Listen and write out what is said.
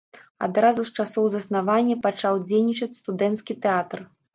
Адразу з часоў заснавання пачаў дзейнічаць студэнцкі тэатр.